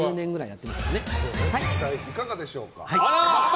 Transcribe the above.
実際、いかがでしょうか。